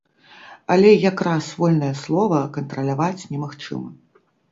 Але як раз вольнае слова кантраляваць немагчыма.